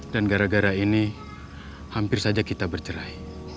dan gara gara ini hampir saja kita bercerai